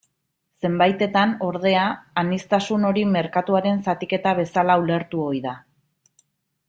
Zenbaitetan, ordea, aniztasun hori merkatuaren zatiketa bezala ulertu ohi da.